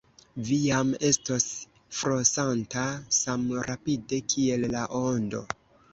Vi jam estos flosanta samrapide kiel la ondo.